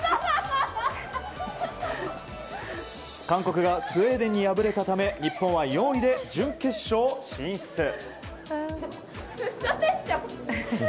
韓国がスウェーデンに敗れたため日本は４位で準決勝進出。